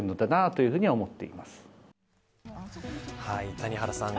谷原さん